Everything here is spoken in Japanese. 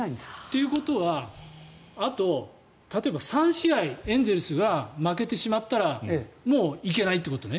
ということは例えば、あと３試合エンゼルスが負けてしまったらもういけないということね。